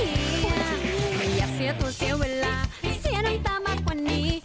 ไม่อยากเสียตัวเสียเวลาไม่เสียน้ำตามากกว่านี้